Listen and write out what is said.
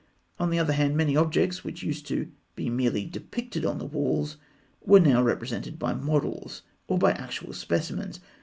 On the other hand, many objects which used to be merely depicted on the walls were now represented by models, or by actual specimens.